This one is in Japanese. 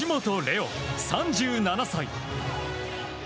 央、３７歳。